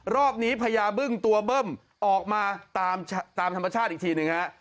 รอบนี้พญาบึ้งตัวเบิ้มออกมาตามธรรมชาติอีกทีหนึ่งฮะ